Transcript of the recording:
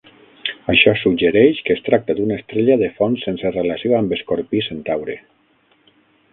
Això suggereix que es tracta d'una estrella de fons sense relació amb Escorpí-Centaure.